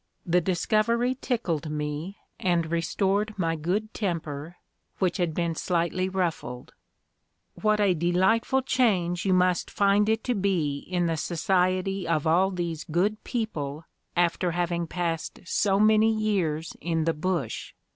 The discovery tickled me, and restored my good temper, which had been slightly ruffled. "What a delightful change you must find it to be in the society of all these good people after having passed so many years in the bush!"